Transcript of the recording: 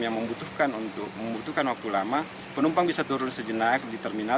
yang membutuhkan untuk membutuhkan waktu lama penumpang bisa turun sejenak di terminal